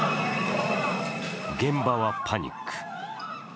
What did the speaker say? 現場はパニック。